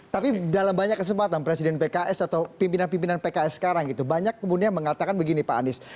tapi dalam banyak kesempatan presiden pks atau pimpinan pimpinan pks sekarang gitu banyak kemudian mengatakan begini pak anies